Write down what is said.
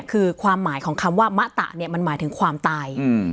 คือความหมายของคำว่ามะตะเนี่ยมันหมายถึงความตาย